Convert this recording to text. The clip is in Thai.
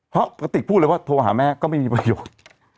เพราะกระติกพูดเลยว่าโทรหาแม่ก็ไม่มีประโยชน์